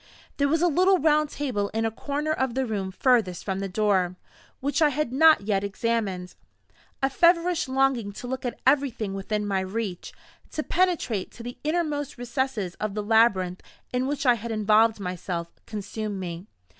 There was a little round table in a corner of the room furthest from the door, which I had not yet examined. A feverish longing to look at everything within my reach to penetrate to the innermost recesses of the labyrinth in which I had involved myself consumed me.